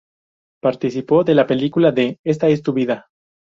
Participó de la película de "Esta es tu vida".